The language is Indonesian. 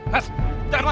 mas jangan mas